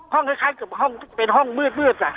ห้องคล้ายกับห้องที่เป็นห้องมืด